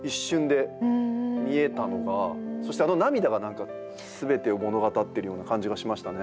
そしてあの涙が何か全てを物語ってるような感じがしましたね。